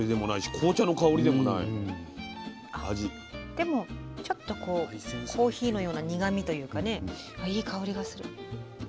でもちょっとこうコーヒーのような苦みというかねあっいい香りがする。